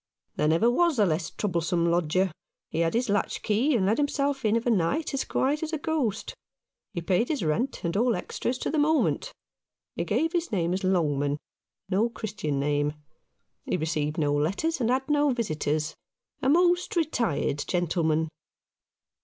"There never was a less troublesome lodger. He had his. latch key, and let himself in of a night, as quiet as a ghost. He paid his rent and all extras to the moment. He gave his name as Longman — no Christian name. He received no letters and had no visitors — a most retired gentle man."